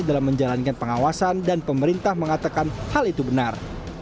dalam menjalankan pengawasan dan pemerintah mengatakan hal itu benar